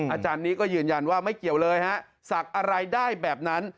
อาจารย์นี้ก็ยืนยันว่าไม่เกี่ยวเลยฮะศักดิ์อะไรได้แบบนั้น